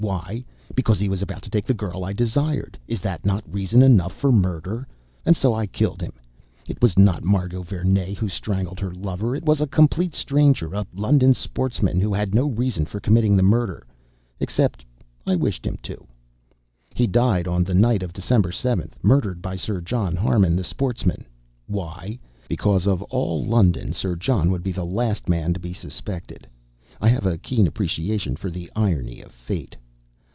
Why? Because he was about to take the girl I desired. Is that not reason enough for murder? And so I killed him. It was not Margot Vernee who strangled her lover: it was a complete stranger, a London sportsman, who had no reason for committing the murder, except that I wished him to! "He died on the night of December seventh, murdered by Sir John Harmon, the sportsman. Why? Because, of all London, Sir John would be the last man to be suspected. I have a keen appreciation for the irony of fate!